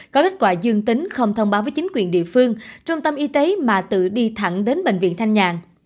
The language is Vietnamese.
có kết quả dương tính không thông báo với chính quyền địa phương trung tâm y tế mà tự đi thẳng đến bệnh viện thanh nhàn